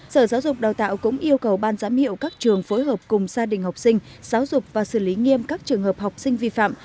sở giáo dục đào tạo cũng yêu cầu ban giám hiệu các trường phối hợp cùng gia đình học sinh giáo dục và xử lý nghiêm các trường hợp học sinh vi phạm